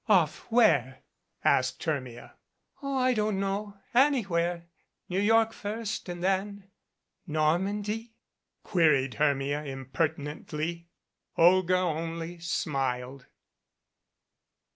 "Off? Where?" asked Hermia. "Oh, I don't know. Anywhere. New York first and then " "Normandy?" queried Hermia impertinently. Olga only smiled.